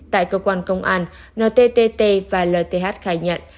tại cơ quan công an ntt và lth khai nhận